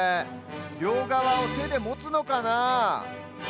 りょうがわをてでもつのかな。